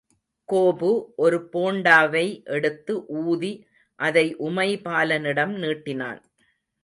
கோபு ஒரு போண்டாவை எடுத்து ஊதி, அதை உமைபாலனிடம் நீட்டினான்.